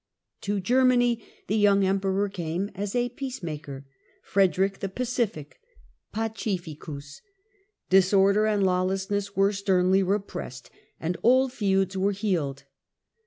To Germany the young Emperor came as a peace German maker, "Frederick the Pacific" {Pacificus)} Disorder Frede and lawlessness were sternly repressed, and old feuds ^^°* were healed.